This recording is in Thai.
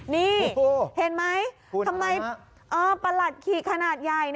นี่เห็นไหมทำไมประหลัดขี่ขนาดใหญ่